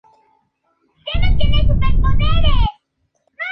Palaos tiene el mayor número de especies de animales y plantas de Micronesia.